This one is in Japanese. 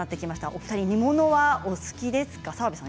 お二人、煮物はお好きですか。